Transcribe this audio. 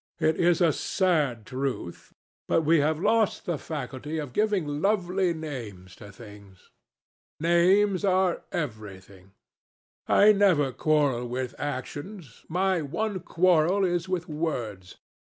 It is a sad truth, but we have lost the faculty of giving lovely names to things. Names are everything. I never quarrel with actions. My one quarrel is with words.